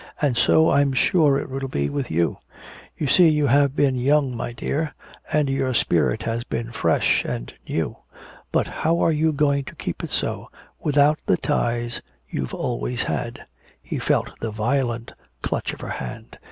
And so I'm sure it will be with you. You see you have been young, my dear, and your spirit has been fresh and new. But how are you going to keep it so, without the ties you've always had?" He felt the violent clutch of her hand.